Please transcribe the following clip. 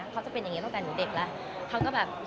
เขาจะเป็นอย่างนี้ตั้งแต่หนูเด็กแล้ว